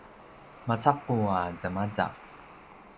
macaqu a zemazav